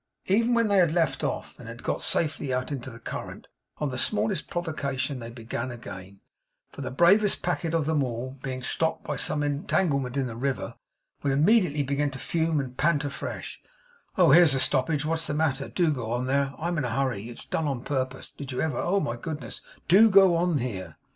Even when they had left off, and had got safely out into the current, on the smallest provocation they began again; for the bravest packet of them all, being stopped by some entanglement in the river, would immediately begin to fume and pant afresh, 'oh here's a stoppage what's the matter do go on there I'm in a hurry it's done on purpose did you ever oh my goodness DO go on here!